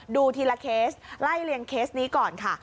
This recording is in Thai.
ดูทีละเคสไล่เลียงเคสนี้ก่อนค่ะ